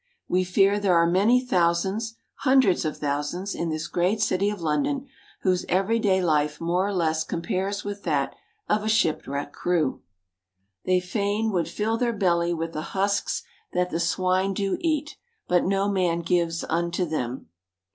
We fear there are many thousands, hundreds of thousands, in this great city of London, whose everyday life more or less compares with that of a shipwrecked crew. They "fain would fill their belly with the husks that the swine do eat, but no man gives unto them."